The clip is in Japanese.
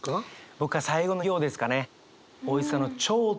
僕は最後の行ですかね。